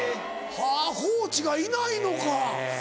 はぁコーチがいないのか。